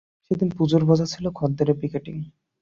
সেদিন পুজোর বাজারে ছিল খদ্দরের পিকেটিং।